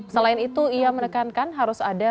selain itu ia menekankan harus ada